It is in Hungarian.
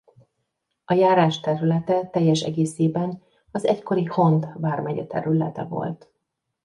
A járás területe teljes egészében az egykori Hont vármegye területe volt.